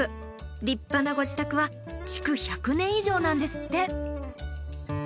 立派なご自宅は築１００年以上なんですって！